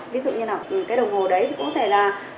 ví dụ như nào cái đồng hồ đấy cũng có thể là